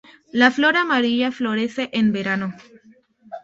La flor amarilla florece en verano.